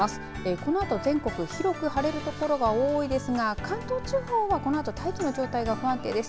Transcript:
このあと全国広く晴れる所が多いですが関東地方は、このあと大気の状態が不安定です。